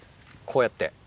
こうやって。